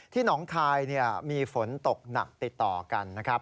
หนองคายมีฝนตกหนักติดต่อกันนะครับ